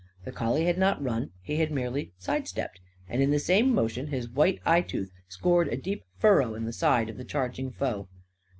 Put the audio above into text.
The collie had not run; he had merely side stepped. And in the same motion his white eyetooth scored a deep furrow in the side of the charging foe.